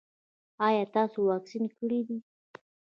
ایا تاسو واکسین کړی دی؟